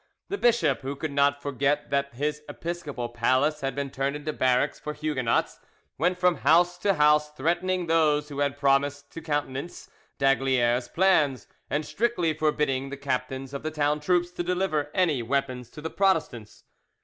The bishop, who could not forget that his episcopal palace had been turned into barracks for Huguenots, went from house to house threatening those who had promised to countenance d'Aygaliers' plans, and strictly forbidding the captains of the town troops to deliver any weapons to the Protestants.